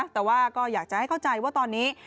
แต่ว่าก็อยากจะให้เข้าใจว่าตอนนี้